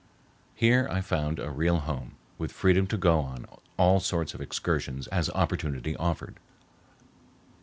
Here I found a real home, with freedom to go on all sorts of excursions as opportunity offered.